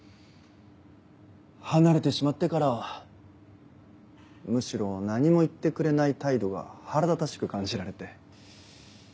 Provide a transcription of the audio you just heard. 離れてしまってからはむしろ何も言ってくれない態度が腹立たしく感じられて。